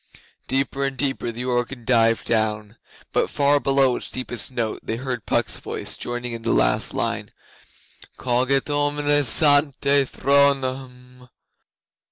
Deeper and deeper the organ dived down, but far below its deepest note they heard Puck's voice joining in the last line: 'Coget omnes ante thronum.